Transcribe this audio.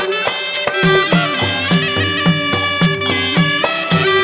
มีชื่อว่าโนราตัวอ่อนครับ